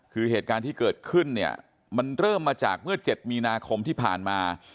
คือเหตุการณ์ที่เกิดขึ้นเนี่ยมันเริ่มมาจากเมื่อ๗มีนาคมที่ผ่านมา